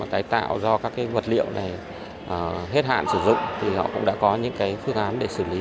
tái tạo do các vật liệu này hết hạn sử dụng thì họ cũng đã có những phương án để xử lý